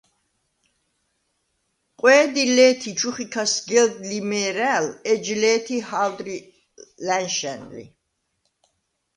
ყვე̄დი ლე̄თ ი ჩუხიქა სგელდ ლიმე̄რა̄̈ლ ეჯ ლე̄თი ჰა̄ვდრი ლა̈ნშა̈ნ ლი.